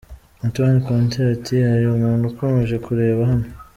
Antonio Conte ati:” Hari umuntu ukomeje kureba hano.